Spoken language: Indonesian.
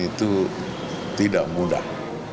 itu tidak mudah